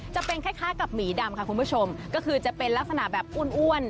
จะเป็นคล้ายกับหมีดำค่ะคุณผู้ชมก็คือจะเป็นลักษณะแบบอ้วน